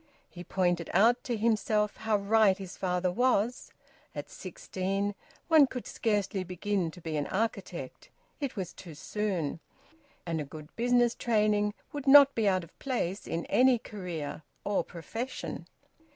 He pointed out to himself how right his father was. At sixteen one could scarcely begin to be an architect; it was too soon; and a good business training would not be out of place in any career or profession.